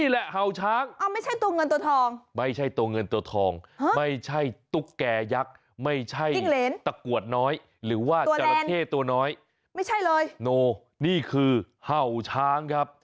คืออาจจะมองว่ามันให้ตะกรวดนี่นะ